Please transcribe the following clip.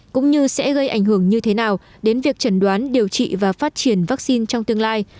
cũng như sẽ gây ảnh hưởng như thế nào đến việc chẩn đoán điều trị và phát triển vaccine trong tương lai